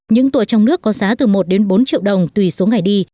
những tour trong nước có giá từ một đến bốn triệu đồng tùy số ngày đi